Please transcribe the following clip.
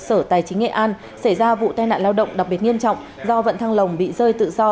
sở tài chính nghệ an xảy ra vụ tai nạn lao động đặc biệt nghiêm trọng do vận thăng lồng bị rơi tự do